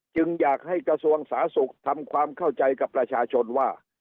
จึงอยากให้กระทรวงสาธารณสุขทำความเข้าใจกับประชาชนว่า